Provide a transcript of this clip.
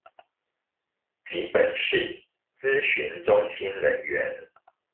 及本市諮詢中心人員